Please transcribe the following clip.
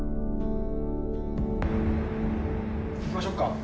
行きましょうか。